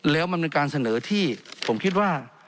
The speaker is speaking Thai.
แล้วมันเป็นการเสนอที่ผมคิดว่า